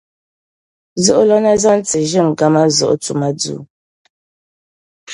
zuɣulana zaŋ ti Ʒe-Ngama Zuɣu Tumaduu.